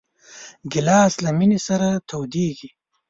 ګیلاس له مېنې سره تودېږي.